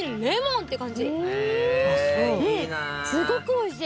うんすごくおいしい。